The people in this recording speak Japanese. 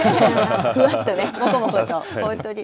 ふわっとね、もこもこと、本当に。